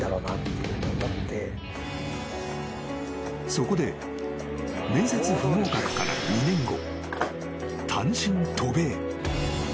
［そこで面接不合格から２年後］